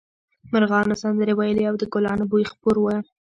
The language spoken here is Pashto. مرغانو سندرې ویلې او د ګلانو بوی خپور و